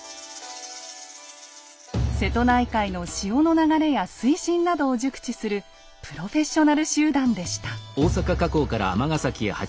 瀬戸内海の潮の流れや水深などを熟知するプロフェッショナル集団でした。